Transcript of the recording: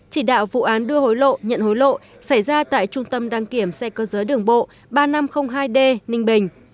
chỉ đạo vụ án đưa hối lộ nhận hối lộ xảy ra tại trung tâm đăng kiểm xe cơ giới đường bộ ba nghìn năm trăm linh hai d ninh bình